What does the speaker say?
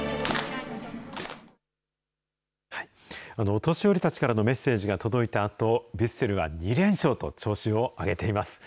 お年寄りたちからのメッセージが届いたあと、ヴィッセルは２連勝と調子を上げています。